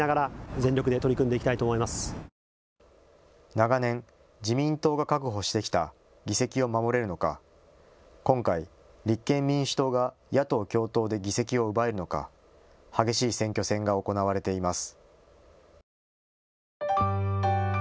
長年、自民党が確保してきた議席を守れるのか、今回、立憲民主党が野党共闘で議席を奪えるのか、激しい選挙戦が行われています。